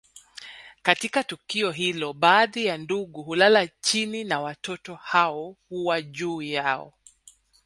Katika tukio hilo baadhi ya ndugu hulala chini na watoto hao huwa juu yao